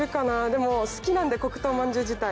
でも好きなんで黒糖まんじゅう自体。